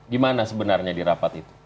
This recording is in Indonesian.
gimana sebenarnya di rapat itu